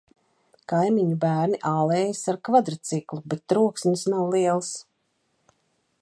Kaimiņu bērni ālējas ar kvadriciklu, bet troksnis nav liels.